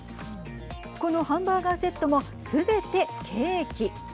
このハンバーガーセットもすべてケーキ。